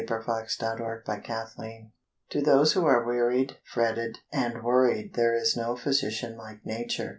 Joseph Morris: CARES To those who are wearied, fretted, and worried there is no physician like nature.